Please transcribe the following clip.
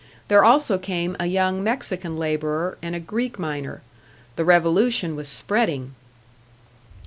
There also came a young Mexican labourer, and a Greek miner. The revolution was spreading!